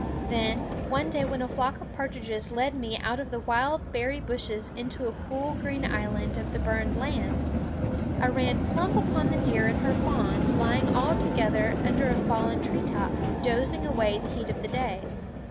Then, one day when a flock of partridges led me out of the wild berry bushes into a cool green island of the burned lands, I ran plump upon the deer and her fawns lying all together under a fallen treetop, dozing away the heat of the day.